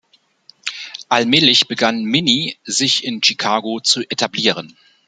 Allmählich begann Minnie sich in Chicago zu etablieren.